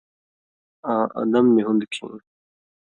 آں ادم نی ہون٘د کھیں